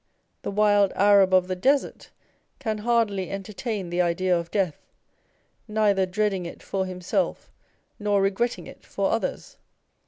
The wild Arab of the Desert can hardly entertain the idea of death, neither dreading it for himself nor regretting it for others.